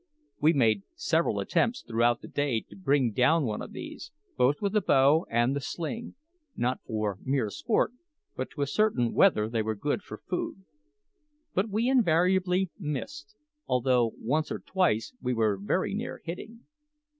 We made several attempts throughout the day to bring down one of these, both with the bow and the sling not for mere sport, but to ascertain whether they were good for food. But we invariably missed, although once or twice we were very near hitting.